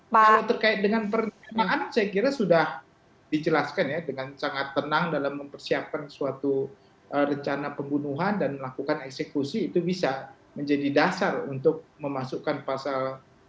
kalau terkait dengan pernyataan saya kira sudah dijelaskan ya dengan sangat tenang dalam mempersiapkan suatu rencana pembunuhan dan melakukan eksekusi itu bisa menjadi dasar untuk memasukkan pasal